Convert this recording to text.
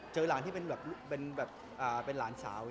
เจอหลานที่เป็นหลานสาว